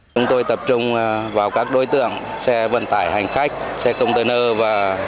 chúng tôi tập trung vào các đối tượng xe vận tải hành khách xe container và